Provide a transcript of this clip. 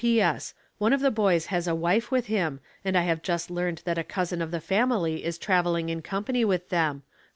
''P. S. — One of the boys has a wife with him, and I have just learned that a cousin of the fam ily is traveling in company with them.